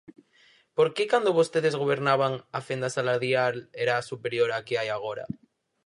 ¿Por que cando vostedes gobernaban a fenda salarial era superior á que hai agora?